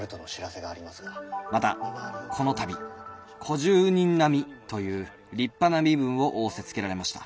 「またこの度小十人並という立派な身分を仰せつけられました。